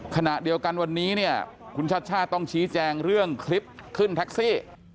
ขณะเดียวกันวันนี้เนี่ยคุณชาติชาติต้องชี้แจงเรื่องคลิปขึ้นแท็กซี่